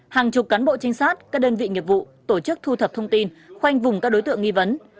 hàng chục cán bộ trinh sát các đơn vị nghiệp vụ tổ chức thu thập thông tin khoanh vùng các đối tượng nghi vấn